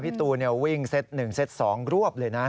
ตูนวิ่งเซต๑เซต๒รวบเลยนะ